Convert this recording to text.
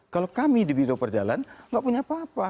kalau kami di bidang perjalanan tidak punya apa apa